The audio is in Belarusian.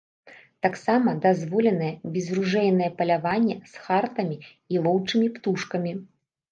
Таксама дазволенае безружэйнае паляванне з хартамі і лоўчымі птушкамі.